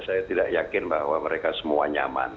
saya tidak yakin bahwa mereka semua nyaman